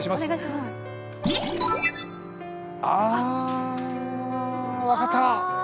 ああ分かった！